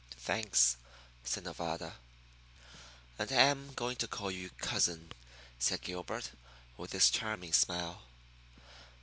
"Thanks," said Nevada. "And I am going to call you 'cousin,'" said Gilbert, with his charming smile.